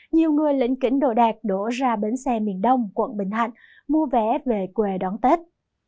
nhiều người lĩnh đồ đạc đổ ra bến xe miền đông quận bình thạnh mua vé về quê đón tết